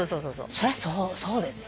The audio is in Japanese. そりゃそうですよ。